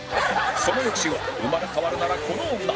その翌週は生まれ変わるならこの女